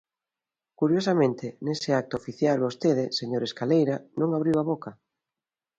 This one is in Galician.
Curiosamente, nese acto oficial vostede, señor Escaleira, non abriu a boca.